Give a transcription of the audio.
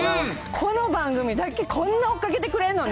この番組だけ、こんな追っかけてくれんのね。